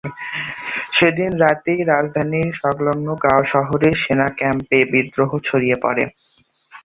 সেদিন রাতেই রাজধানীর সংলগ্ন গাও শহরের সেনা ক্যাম্পে বিদ্রোহ ছড়িয়ে পরে।